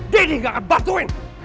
deddy gak akan bantuin